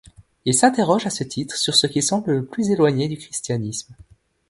Il s'interroge à ce titre sur ce qui semble le plus éloigné du christianisme.